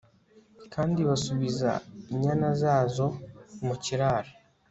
kandi basubiza inyana zazo mu kiraro